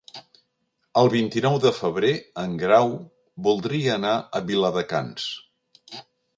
El vint-i-nou de febrer en Grau voldria anar a Viladecans.